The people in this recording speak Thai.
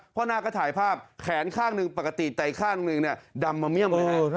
พ่อหน้าก็ถ่ายภาพแขนข้างนึงปกติแต่อีกข้างนึงดำมาเมี่ยมเลย